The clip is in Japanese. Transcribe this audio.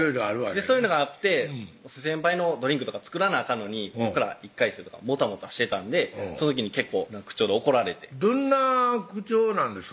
そういうのがあって先輩のドリンクとか作らなあかんのに僕ら１回生とかもたもたしてたんでその時に結構な口調で怒られてどんな口調なんですか？